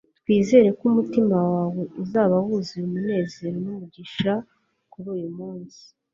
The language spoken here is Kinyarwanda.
twizere ko umutima wawe uzaba wuzuye umunezero numugisha kuri uyumunsi